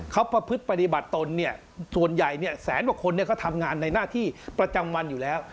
เขาประพฤติปฏิบัติตนเนี่ยส่วนใหญ่แสนกว่าคนเขาทำงานในหน้าที่ประจำวันอยู่แล้ว